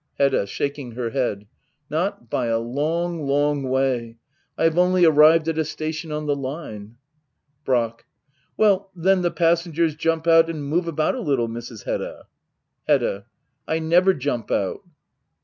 Hedda. [Shaking her head.] Not by a long — ^long way. I have only arrived at a station on the line. Brack. Well^ then the passengers jump out and move about a little, Mrs. Hedda. Hedda. I never jump out.